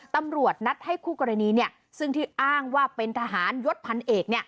ตำรวจนัดให้คู่กรณีซึ่งที่อ้างว่าเป็นทหารยศพันเอก